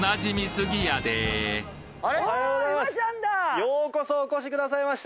ようこそお越しくださいました。